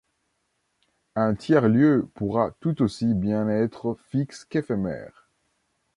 Un tiers-lieu pourra tout aussi bien être fixe qu'éphémère.